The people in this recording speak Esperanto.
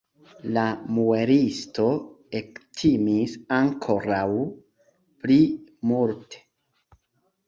La muelisto ektimis ankoraŭ pli multe.